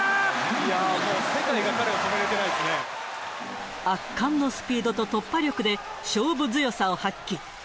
もう世界が彼を止めれてない圧巻のスピードと突破力で、勝負強さを発揮。